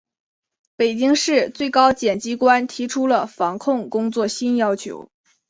北京市、最高检机关提出了防控工作新要求